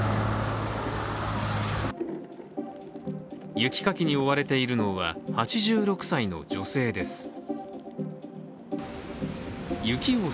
雪かきに追われているのは８６歳の女性です。